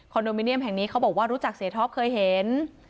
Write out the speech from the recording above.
โมเนียมแห่งนี้เขาบอกว่ารู้จักเสียท็อปเคยเห็น